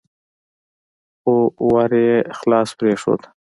خو ور يې خلاص پرېښود.